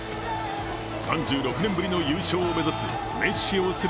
３６年ぶりの優勝を目指すメッシ擁する